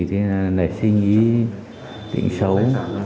nên là lại suy nghĩ chuyện xấu